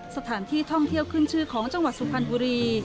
สถานที่ท่องเที่ยวขึ้นชื่อของจังหวัดสุพรรณบุรี